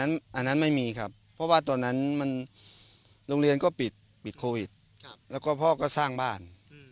อันนั้นไม่มีครับเพราะว่าตอนนั้นโรงเรียนก็ปิดโควิดแล้วก็พ่อก็สร้างบ้าน